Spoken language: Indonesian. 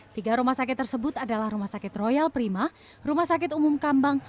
tiga rumah sakit tersebut adalah rumah sakit royal prima rumah sakit umum kambang